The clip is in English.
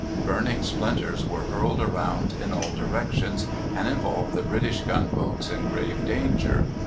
Burning splinters were hurled around in all directions, and involved the British gunboats in grave danger.